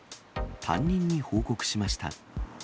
担任に報告しました。